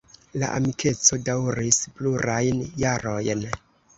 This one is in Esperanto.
La amikeco daŭris plurajn jarojn.